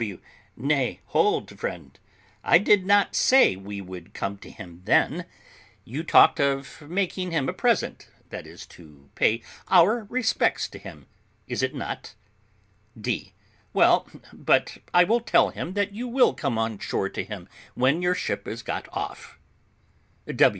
W. Nay, hold, friend; I did not say we would come to him then: you talked of making him a present, that is to pay our respects to him, is it not? D. Well, but I will tell him that you will come on shore to him when your ship is got off.